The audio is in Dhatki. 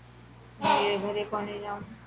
مون ائي ري گھري ڪوني جائون.